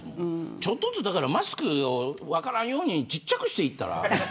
ちょっとずつマスクを分からんようにちっちゃくしていったら。